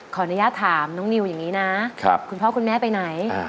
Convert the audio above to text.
ขออนุญาตถามน้องนิวอย่างนี้นะคุณพ่อคุณแม่ไปไหน